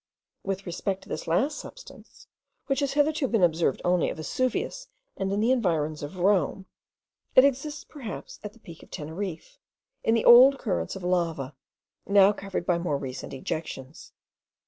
With respect to this last substance, which has hitherto been observed only at Vesuvius and in the environs of Rome, it exists perhaps at the peak of Teneriffe, in the old currents of lava now covered by more recent ejections.